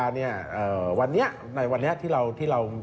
วันนี้ในวันนี้ที่เรา